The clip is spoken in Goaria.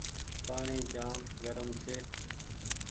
پآڻيٚ جآم گرم ڇي۔